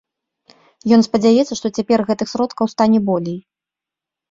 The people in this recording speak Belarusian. Ён спадзяецца, што цяпер гэтых сродкаў стане болей.